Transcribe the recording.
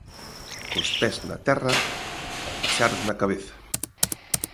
Cos pés na terra e paxaros na cabeza.